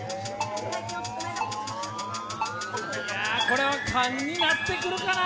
これは勘になってくるかな。